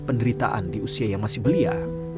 penderitaan di usia yang masih belia